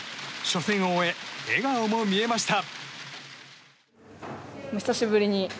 初戦を終え、笑顔も見えました。